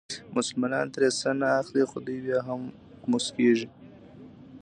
مسلمانان ترې څه نه اخلي خو دوی بیا هم موسکېږي.